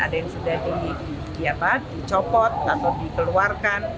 ada yang sudah dicopot atau dikeluarkan